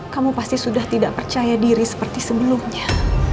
kamu pasti sudah tidak percaya diri seperti sebelumnya